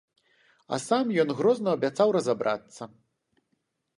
А сам ён грозна абяцаў разабрацца.